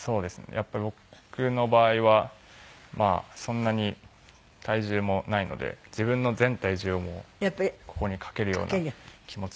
やっぱり僕の場合はそんなに体重もないので自分の全体重をここにかけるような気持ちで。